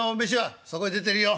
「そこへ出てるよ。